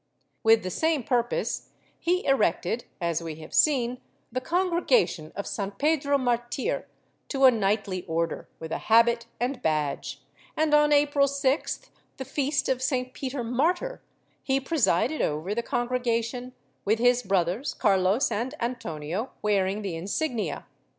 ^ With the same purpose, he erected, as we have seen, the Congregation of San Pedro Martir to a knightly Order, with a habit and badge and, on April 6th, the feast of St. Peter Martyr, he presided over the Congregation, with his brothers Carlos and Antonio, wearing the insignia.